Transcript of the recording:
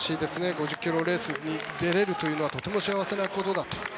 ５０ｋｍレースに出られるというのはとても幸せなことだと。